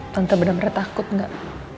tante benar benar takut nggak